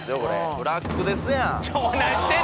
ブラックですやん。